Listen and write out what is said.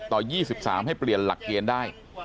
ต่อ๒๓ให้เปลี่ยนหลักเกณฑ์ได้